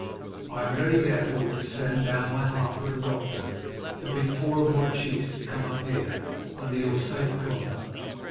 I am ready, therefore, to send down my harper and doctor to bid four of my chiefs come up here, under your safe conduct.